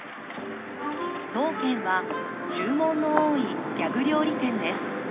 ［当軒は注文の多いギャグ料理店です］